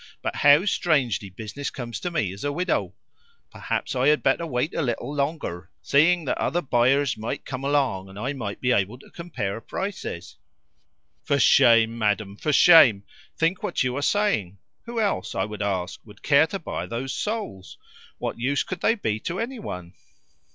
"But how strangely business comes to me as a widow! Perhaps I had better wait a little longer, seeing that other buyers might come along, and I might be able to compare prices." "For shame, madam! For shame! Think what you are saying. Who else, I would ask, would care to buy those souls? What use could they be to any one?"